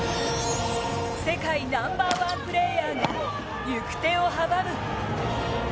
世界ナンバーワンプレーヤーが行く手を阻む。